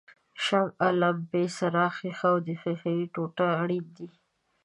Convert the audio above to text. شمع، لمپې څراغ ښيښه او د ښیښې ټوټه اړین دي.